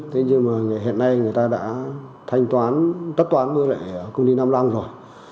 thế nhưng mà hiện nay người ta đã thanh toán tất toán với lại công ty năm mươi năm rồi